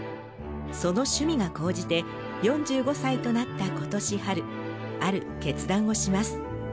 その趣味が高じて４５歳となった今年春ある決断をします。